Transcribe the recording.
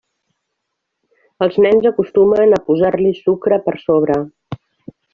Els nens acostumen a posar-li sucre per sobre.